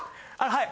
はい。